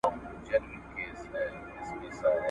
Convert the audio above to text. یوه لو ناره یې وکړله له خونده ..